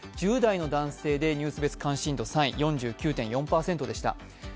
１０代の男性でニュース別関心度３位４９．４％でした。